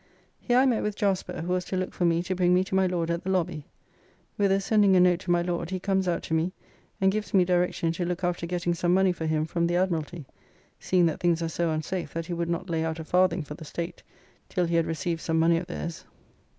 Here I met with Jasper, who was to look for me to bring me to my Lord at the lobby; whither sending a note to my Lord, he comes out to me and gives me direction to look after getting some money for him from the Admiralty, seeing that things are so unsafe, that he would not lay out a farthing for the State, till he had received some money of theirs.